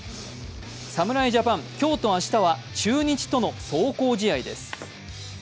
侍ジャパン、今日と明日は中日との壮行試合です。